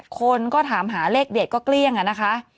คนก็ถามหาเลขเด็ดก็เกลี้ยงอะนะคะ